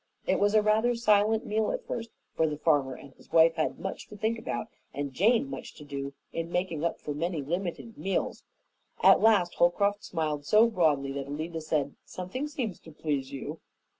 It was a rather silent meal at first, for the farmer and his wife had much to think about and Jane much to do in making up for many limited meals. At last Holcroft smiled so broadly that Alida said, "Something seems to please you."